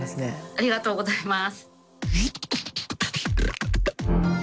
ありがとうございます。